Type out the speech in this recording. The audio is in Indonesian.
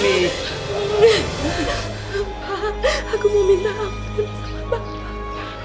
pak aku mau minta ampun sama bapak